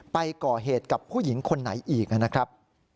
ไปก่อเหตุกับผู้หญิงคนไหนอีกนะครับ